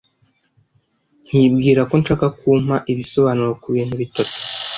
nkibwirako nshaka ko umpa ibisobanuro kubintu bitatu.